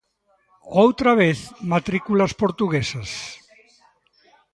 Outra vez, matrículas portuguesas.